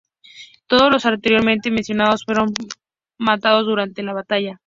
Todos los anteriormente mencionados fueron matados durante la batalla.